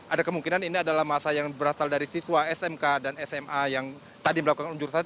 ada kemungkinan ini adalah masa yang berasal dari siswa smk dan sma yang tadi melakukan unjuk rasa